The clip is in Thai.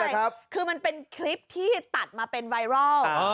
คือมันเป็นคลิปที่ตัดมาเป็นไวรัล